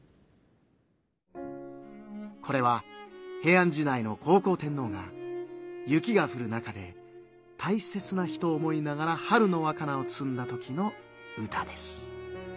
これは平安時代の光孝天皇が雪が降る中でたいせつな人を思いながら春の若菜をつんだ時の歌です。